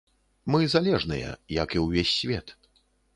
Мы залежныя, як і ўвесь свет.